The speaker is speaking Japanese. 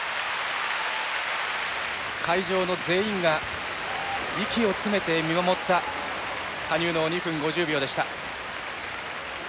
会場の全員が息を詰めて見守った羽生の２分５０秒でした。